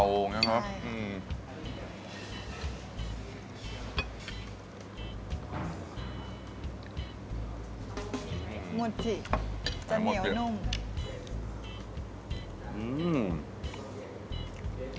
หมดสิจะเหนียวนุ่ม